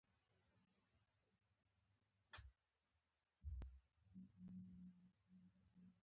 د کفر له فتواوو څخه وژغوري.